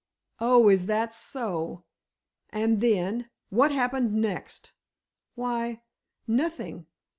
"Oh, is that so? And then—what happened next?" "Why—nothing.